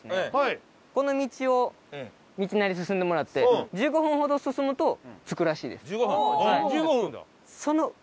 この道を道なりに進んでもらって１５分ほど進むと着くらしいです。